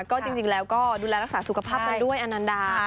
ก็จริงแล้วก็ดูแลรักษาสุขภาพกันด้วยอนันดา